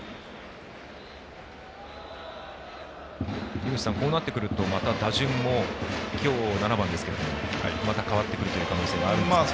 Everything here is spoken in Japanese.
井口さん、こうなってくるとまた打順も今日７番ですけれどもまた変わってくるという可能性があるんでしょうか？